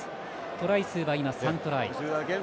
トライ数は３トライ。